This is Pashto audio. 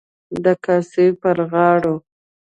د کاسای پر غاړو.